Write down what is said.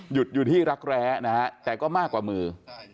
อยู่ที่รักแร้นะฮะแต่ก็มากกว่ามือ